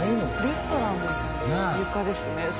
レストランみたいな床ですねそもそも。